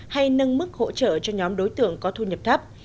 hay nâng mức hỗ trợ cho nhóm đối tượng có thu nhập thấp